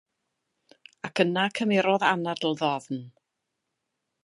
Ac yna cymerodd anadl ddofn.